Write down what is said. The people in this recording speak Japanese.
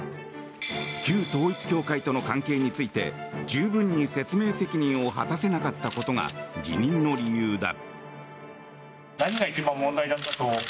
旧統一教会との関係について十分に説明責任を果たせなかったことが辞任の理由だ。